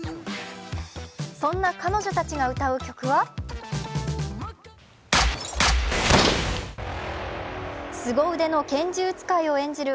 そんな彼女たちが歌う曲はすご腕の拳銃使いを演じる